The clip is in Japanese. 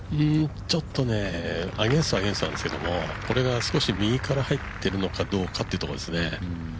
ちょっと、アゲンストはアゲンストなんですけれどもこれが少し右から入っているのかどうかというところですね。